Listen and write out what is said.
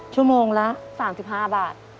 ชั่วโมงละ๓๕บาท